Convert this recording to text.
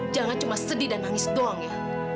jangan cuma sedih dan nangis doang ya